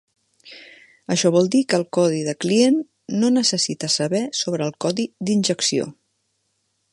Això vol dir que el codi de client no necessita saber sobre el codi d'injecció.